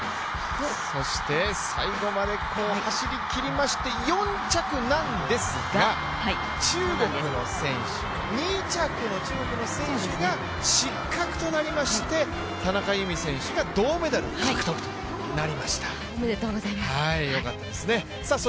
そして最後まで走りきりまして、４着なんですが、２着の中国の選手が失格となりまして、田中佑美選手が銅メダル獲得となりました、よかったですね。